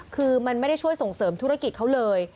คือมันไม่ได้ช่วยส่งเสริมธุรกิจเขาเลย